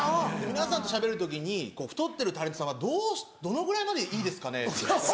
皆さんとしゃべる時に太ってるタレントさんはどのぐらいまでいいですかね？って言ったら。